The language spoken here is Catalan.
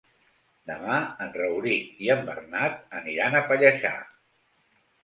Demà en Rauric i en Bernat aniran a Pallejà.